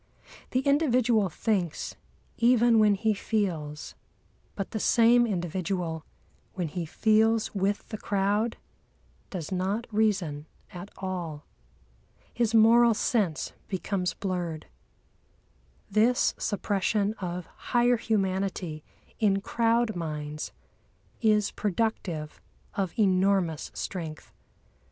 The individual thinks, even when he feels; but the same individual, when he feels with the crowd, does not reason at all. His moral sense becomes blurred. This suppression of higher humanity in crowd minds is productive of enormous strength.